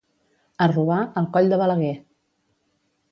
A robar, al coll de Balaguer!